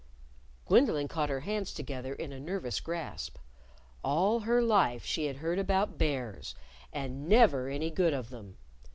Gwendolyn caught her hands together in a nervous grasp. All her life she had heard about bears and never any good of them.